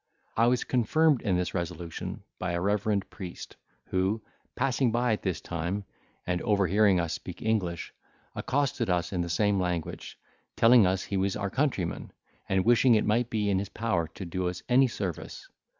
I was confirmed in this resolution by a reverend priest, who, passing by at this time, and overhearing us speak English, accosted us in the same language, telling us he was our countryman, and wishing it might be in his power to do us any service.